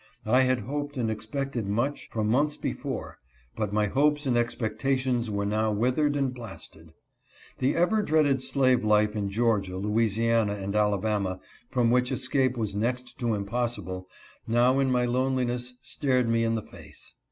I had hoped and expected much, for months before, but my hopes and expectations were now withered and blasted. The ever dreaded slave life in Georgia, Louisiana, and Alabama — from which escape was next to impossible — now in my loneliness stared me in the face.